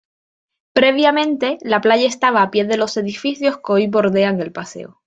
Previamente, la playa estaba a pie de los edificios que hoy bordean el paseo.